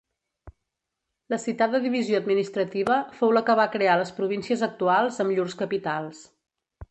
La citada divisió administrativa fou la que va crear les províncies actuals amb llurs capitals.